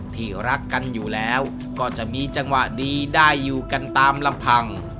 ที่รักกันอยู่แล้วก็จะมีจังหวะดีได้อยู่กันตามลำพัง